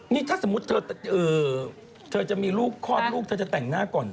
นี่ถ้าสมมุติเธอจะมีลูกคลอดลูกเธอจะแต่งหน้าก่อน